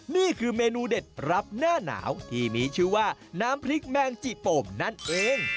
นี่คือเมนูเด็ดรับหน้าหนาวที่มีชื่อว่าน้ำพริกแมงจิโปมนั่นเอง